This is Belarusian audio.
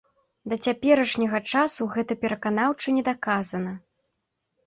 Да цяперашняга часу гэта пераканаўча не даказана.